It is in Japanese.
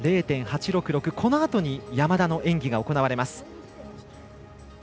このあとに山田の演技が行われます。